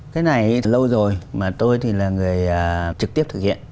cái này lâu rồi mà tôi thì là người trực tiếp thực hiện